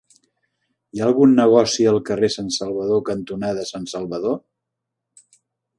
Hi ha algun negoci al carrer Sant Salvador cantonada Sant Salvador?